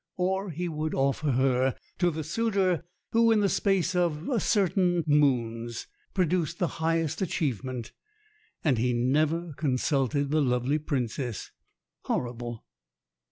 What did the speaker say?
Or he would offer her to the suitor who in the space of certain moons produced the highest achievement. And he never consulted the lovely Princess. Horrible!